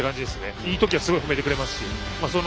いいときは褒めてくれますし。